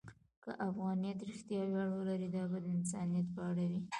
که افغانیت رښتیا ویاړ ولري، دا به د انسانیت په اړه وي.